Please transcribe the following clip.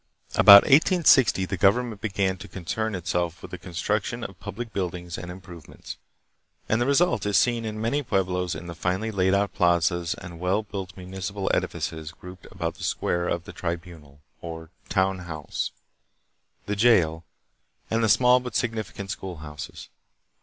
About 1860 the government began to concern itself with the construction of public buildings and improve ments, and the result is seen in many pueblos in the finely laid out plazas and well built municipal edifices grouped about the square the "tribunal," or town house, the jail, and the small but significant schoolhouses.